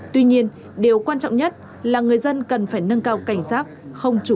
tuy nhiên điều quan trọng nhất là người dân cần phải nâng cao cảnh giác không chủ quan